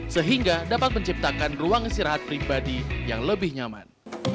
sehingga dapat menciptakan ruang istirahat pribadi yang lebih nyaman